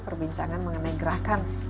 perbincangan mengenai gerakan